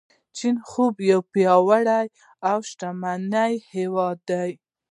د چین خوب یو پیاوړی او شتمن هیواد دی.